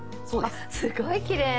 あっすごいきれい。